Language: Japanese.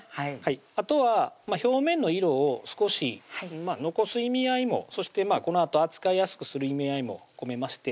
あとは表面の色を少し残す意味合いもそしてこのあと扱いやすくする意味合いも込めまして